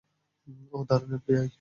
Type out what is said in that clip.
ওহ, দারুণ, এফবিআই।